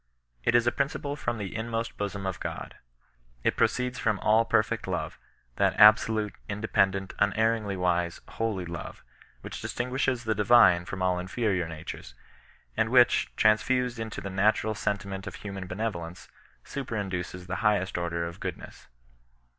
It is a principle from the inmost hosom of €^. It pro ceeds from ALL PEBFECT LOTE, that ahsolutc, independ ent, imerringlj wise, holy hve, which distinguishes the Divine from all inferior natures, and which, transfused into the natural sentiment of human henevolence, super induces the highest order of goodness.